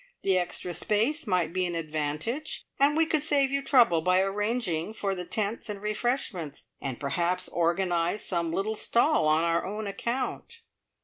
The extra space might be an advantage, and we could save you trouble by arranging for the tents and refreshments, and perhaps organise some little stall on our own account."